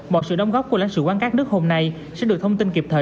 mọi sự đóng góp của lãnh sự quán các nước hôm nay sẽ được thông tin kịp thời